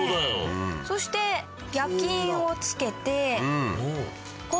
そして焼き印を付けて。